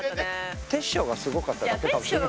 煌翔がすごかっただけかもしれない。